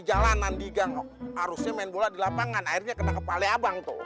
jalanan diganggok harusnya main bola di lapangan akhirnya kena kepale abang tuh